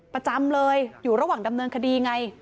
ประจำเลยอยู่ระหว่างดำเนินคดีไง